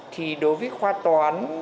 thì đối với khoa toán